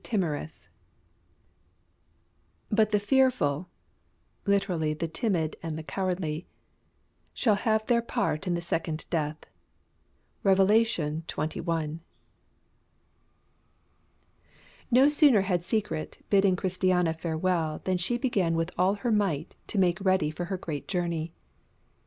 TIMOROUS "But the fearful [literally, the timid and the cowardly] shall have their part in the second death." Revelation xxi. No sooner had Secret bidden Christiana farewell than she began with all her might to make ready for her great journey.